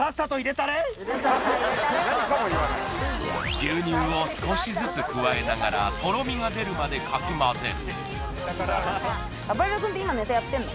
牛乳を少しずつ加えながら、とろみが出るまでかき混ぜる。